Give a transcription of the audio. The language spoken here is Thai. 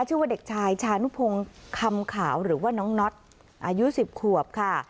ชื่อว่าเด็กชายชานุพงศ์คำขาวหรือว่าน้องน็อตอายุ๑๐ขวบค่ะ